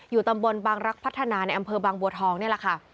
ตำบลบางรักพัฒนาในอำเภอบางบัวทองนี่แหละค่ะ